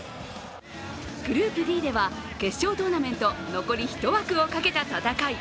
グループＤでは決勝トーナメント残り１枠をかけた戦い。